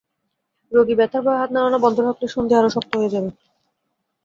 রোগী ব্যথার ভয়ে হাত নাড়ানো বন্ধ রাখলে সন্ধি আরও শক্ত হয়ে যাবে।